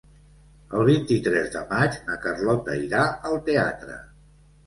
El vint-i-tres de maig na Carlota irà al teatre.